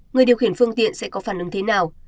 người điều khiển phương tiện sẽ có phản ứng thế nào